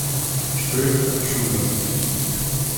Что это "шузы"?